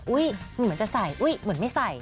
อุ้ยมันเหมือนจะใส่อุ้ยเหมือนไม่ใส่